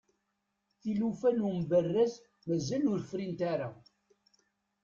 tilufa n umberrez mazal ur frint ara